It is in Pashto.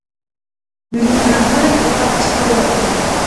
میلیونونه خلک له فقر څخه ووتل.